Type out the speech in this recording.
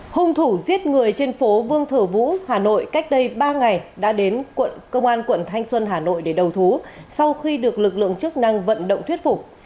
hung thủ giết người trên phố vương thờ vũ hà nội cách đây ba ngày đã đến công an quận thanh xuân hà nội để đầu thú sau khi được lực lượng chức năng vận động thuyết phục